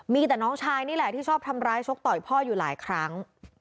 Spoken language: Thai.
มีแต่น้องชายนี่แหละที่ชอบทำร้ายชกต่อยพ่ออยู่หลายครั้ง